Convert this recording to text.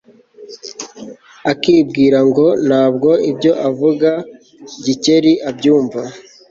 akibwira ngo ntabwo ibyo avuga Gikeli abyumva